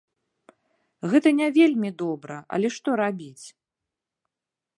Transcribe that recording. Гэта не вельмі добра, але што рабіць.